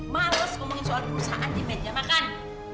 males ngomongin soal perusahaan di benjaman kan